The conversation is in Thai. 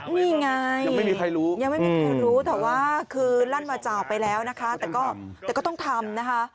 นี่ไงยังไม่มีใครรู้แต่ว่าคือลั่นมาจากไปแล้วแต่ก็ต้องทำ